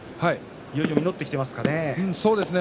いよいよ実ってきていますかね。